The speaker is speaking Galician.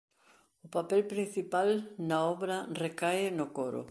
O papel principal na obra recae no coro.